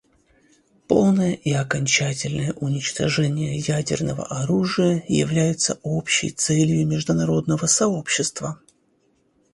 Полное и окончательное уничтожение ядерного оружия является общей целью международного сообщества.